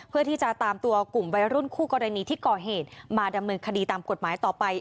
เพื่อที่จะตามตัวกลุ่มวัยรุ่นคู่กรณีที่ก่อเหตุมาดำเนินคดีตามกฎหมายต่อไป